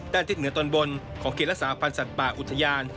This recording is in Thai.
ทิศเหนือตอนบนของเขตรักษาพันธ์สัตว์ป่าอุทยาน